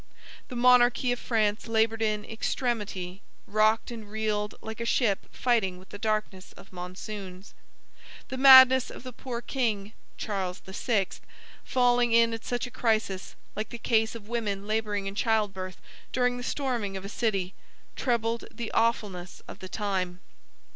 The monarchy of France labored in extremity, rocked and reeled like a ship fighting with the darkness of monsoons. The madness of the poor king (Charles VI.) falling in at such a crisis, like the case of women laboring in childbirth during the storming of a city, trebled the awfulness of the time.